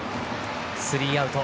スリーアウト。